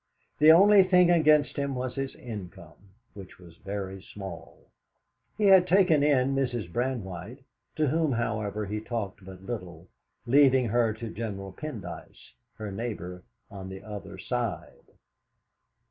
The only thing against him was his income, which was very small. He had taken in Mrs. Brandwhite, to whom, however, he talked but little, leaving her to General Pendyce, her neighbour on the other side.